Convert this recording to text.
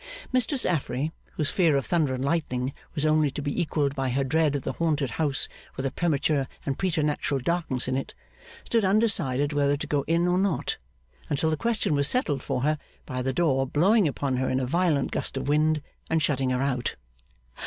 Mistress Affery, whose fear of thunder and lightning was only to be equalled by her dread of the haunted house with a premature and preternatural darkness in it, stood undecided whether to go in or not, until the question was settled for her by the door blowing upon her in a violent gust of wind and shutting her out.